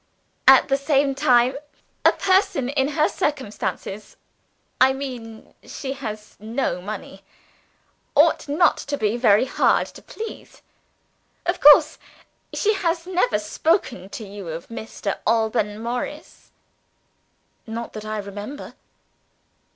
At the same time, a person in her circumstances I mean she has no money ought not to be very hard to please. Of course she has never spoken to you of Mr. Alban Morris?" "Not that I remember."